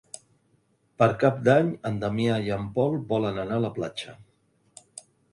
Per Cap d'Any en Damià i en Pol volen anar a la platja.